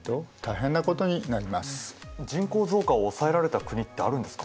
人口増加を抑えられた国ってあるんですか？